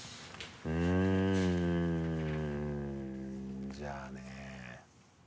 うんじゃあね。